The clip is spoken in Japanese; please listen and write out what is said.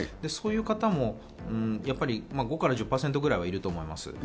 そういう方も５から１０％ぐらいはいると思います。